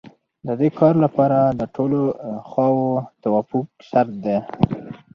د دې کار لپاره د ټولو خواوو توافق شرط دی